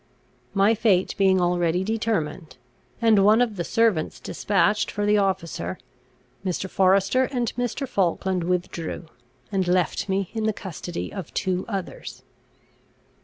My fate being already determined, and one of the servants despatched for the officer, Mr. Forester and Mr. Falkland withdrew, and left me in the custody of two others.